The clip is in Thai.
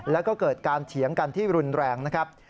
แล้วก็เกิดการเถียงกันที่รุนแรงนะครับ